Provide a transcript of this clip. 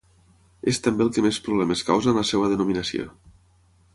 És també el que més problemes causa en la seua denominació.